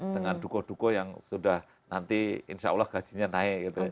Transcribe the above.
dengan duko duko yang sudah nanti insya allah gajinya naik gitu ya